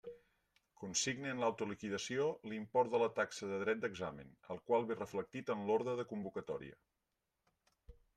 Consigne en l'autoliquidació l'import de la taxa de dret d'examen, el qual ve reflectit en l'orde de convocatòria.